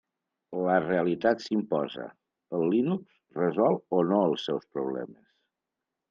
La realitat s'imposa: el Linux resol o no els seus problemes?